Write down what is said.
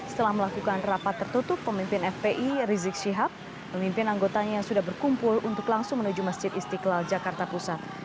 setelah melakukan rapat tertutup pemimpin fpi rizik syihab memimpin anggotanya yang sudah berkumpul untuk langsung menuju masjid istiqlal jakarta pusat